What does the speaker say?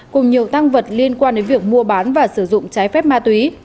cùng nhiều tăng vật liên quan đến việc mua bán và sử dụng trái phép ma túy